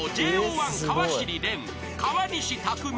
１川尻蓮川西拓実